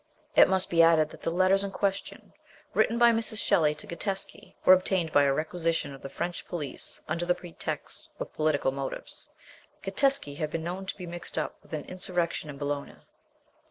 It must be added that the letters in question, written by Mrs. Shelley to Gatteschi, were obtained by a requisition of the French police under the pretext of political motives: Gatteschi had been known to be mixed up with an insurrection in. Bologna.